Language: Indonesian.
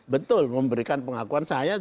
betul memberikan pengakuan saya